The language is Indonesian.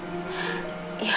bukan salah bibi kok